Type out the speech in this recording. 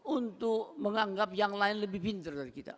untuk menganggap yang lain lebih pinter dari kita